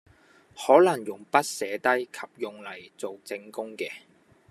可能用筆寫低及用嚟做證供嘅